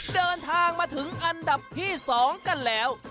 เดินทางมาถึงอันดับที่๒กันแล้ว